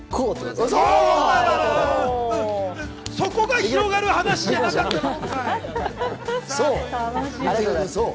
そこが広がる話じゃなかったの。